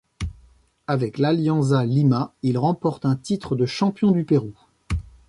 Avec l'Alianza Lima, il remporte un titre de champion du Pérou.